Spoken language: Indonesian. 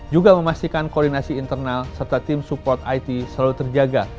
juga memastikan koordinasi internal serta tim support it selalu terjaga